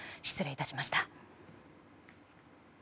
失礼致しました。